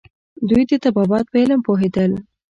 دوی د طبابت په علم پوهیدل